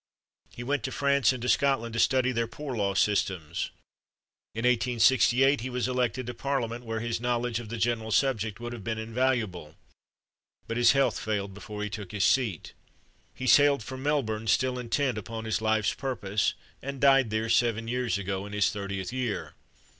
He went to France and to Scotland to study their poor law systems. In 1868 he was elected to Parliament, where his knowledge of the general subject would have been invaluable. But his health failed before he took his seat. He sailed for Melbourne, still intent upon his life's purpose, and died there seven years ago, in his thirtieth year.